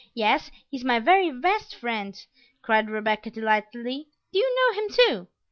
"Yes, he's my very best friend," cried Rebecca delightedly. "Do you know him too?"